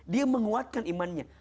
dia menguatkan imannya